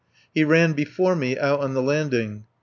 He ran before me out on the landing.